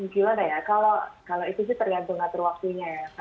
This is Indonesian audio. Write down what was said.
kalau itu sih tergantung atur waktunya ya